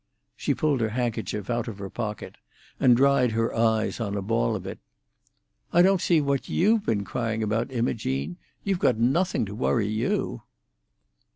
She pulled her handkerchief out of her pocket, and dried her eyes on a ball of it. "I don't see what you've been crying about, Imogene. You've got nothing to worry you."